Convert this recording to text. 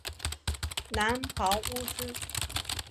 蓝袍巫师。